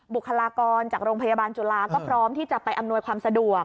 บุคลากรจากโรงพยาบาลจุฬาก็พร้อมที่จะไปอำนวยความสะดวก